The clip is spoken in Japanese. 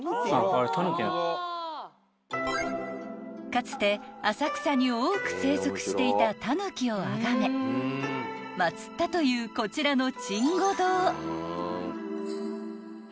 ［かつて浅草に多く生息していたタヌキをあがめ祭ったというこちらの］